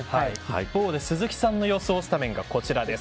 一方で、鈴木さんの予想スタメンがこちらです。